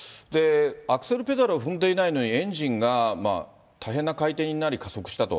アクセルペダルを踏んでいないのにエンジンが大変な回転になり、加速したと。